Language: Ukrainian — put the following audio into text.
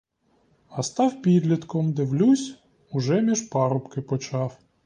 А став підлітком, дивлюсь: уже між парубки почав.